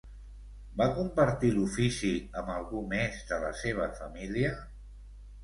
Va compartir l'ofici amb algú més de la seva família?